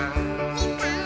みかん。